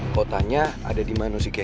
kau tanya ada dimana sih kay